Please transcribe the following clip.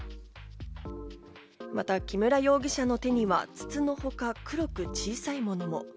また木村容疑者の手には筒のほか、黒く小さいものも。